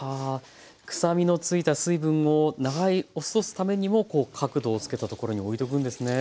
くさみのついた水分を流れ落とすためにもこう角度をつけたところにおいておくんですね。